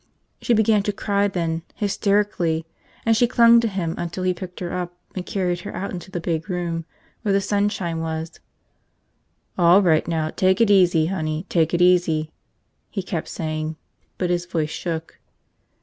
She began to cry then, hysterically, and she clung to him until he picked her up and carried her out into the big room where the sunshine was. "All right now, take it easy, honey, take it easy," he kept saying, but his voice shook.